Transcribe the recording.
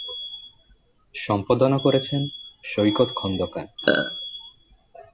সম্পাদনা করেছেন সৈকত খন্দকার।